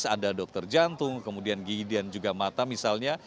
ada dokter jantung kemudian gigi dan juga mata misalnya